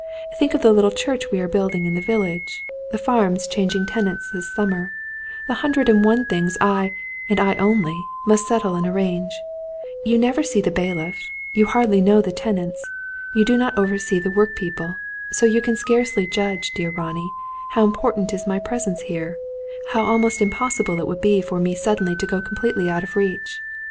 Think of the little church we are building in the village; the farms changing tenants this summer; the hundred and one things I, and I only, must settle and arrange. You never see the bailiff; you hardly know the tenants; you do not oversee the workpeople. So you can scarcely judge, dear Ronnie, how important is my presence here; how almost impossible it would be for me suddenly to go completely out of reach.